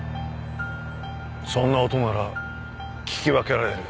そんな音なら聞き分けられる。